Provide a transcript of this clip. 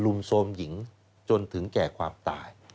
โทรมหญิงจนถึงแก่ความตาย